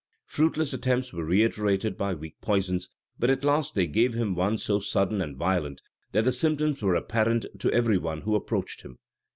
Fruitless attempts were reiterated by weak poisons; but at last they gave him one so sudden and violent, that the symptoms were apparent to every one who approached him.